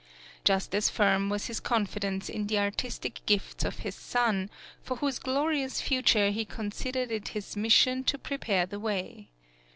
Just as firm was his confidence in the artistic gifts of his son, for whose glorious future he considered it his mission to prepare the way.